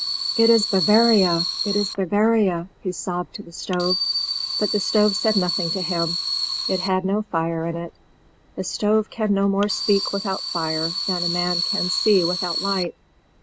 "It is Bavaria! It is Bavaria!" he sobbed to the stove; but the stove said nothing to him; it had no fire in it. A stove can no more speak without fire than a man can see without light.